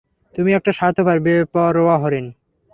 তুমি একটা স্বার্থপর, বেপরোয়া হরিণ।